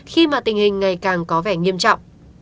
khi mà tình hình ngày càng có vẻ nghiêm trọng